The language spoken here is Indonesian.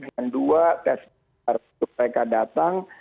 dengan dua tes mereka datang